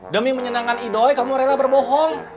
demi menyenangkan idoy kamu rela berbohong